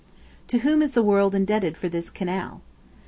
To whom is the world indebted for this canal?